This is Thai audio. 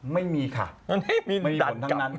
ไม่มีค่ะมีผลทั้งนั้น